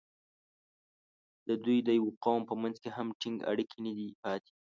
د دوی د یوه قوم په منځ کې هم ټینګ اړیکې نه دي پاتې.